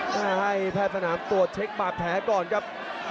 ให้แพทย์สนามตรวจเช็คบาดแผลก่อนครับ